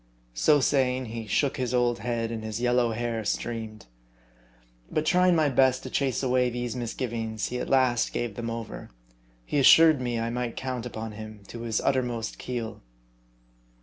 So saying, he shook his old head, and his yellow hair streamed. But trying my best to chase away these misgivings, he at last gave them over. He assured me I might count upon him to his uttermost keel.